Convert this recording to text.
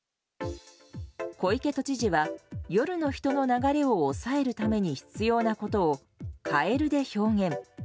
小池都知事は、夜の人の流れを抑えるために必要なことをカエルで表現。